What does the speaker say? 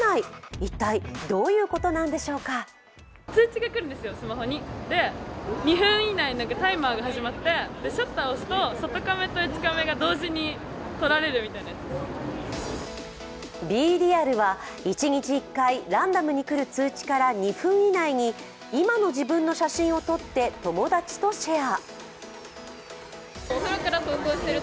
一体どういうことなのでしょうか。ＢｅＲｅａｌ．は、一日１回ランダムに来る通知から２分以内に今の自分の写真を撮って友達とシェア。